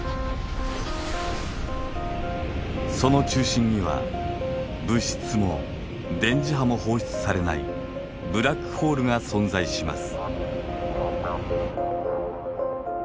その中心には物質も電磁波も放出されないブラックホールが存在します。